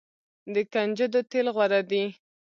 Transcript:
د کنجدو تیل غوره دي.